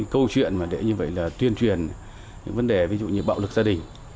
câu chuyện để như vậy là tuyên truyền những vấn đề ví dụ như bạo lực gia đình